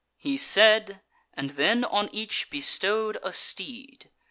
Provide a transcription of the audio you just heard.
He said, and then on each bestow'd a steed.